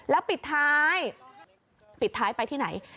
แล้วปิดท้ายปิดท้ายไปที่ไหน